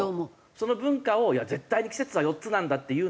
その文化をいや絶対に季節は４つなんだっていうのか